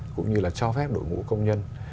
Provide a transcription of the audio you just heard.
cũng như là cho phép đội ngũ công nhân